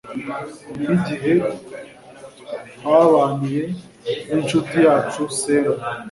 nk'igihe twabaniye n'ishuti yacu semu